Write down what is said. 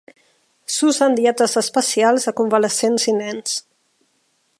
S'usa en dietes especials de convalescents i nens.